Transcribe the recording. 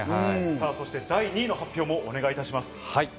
第２位の発表をお願いします。